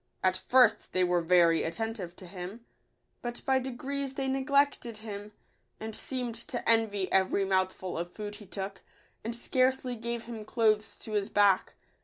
At first they were very attentive to him ; but by de grees they neglected him, and seemed to envy every mouthful of food he took, and scarcely gave him clothes to his back.